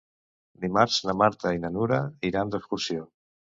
Dimarts na Marta i na Nura iran d'excursió.